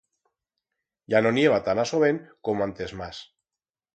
Ya no nieva tan a sobén como antes mas.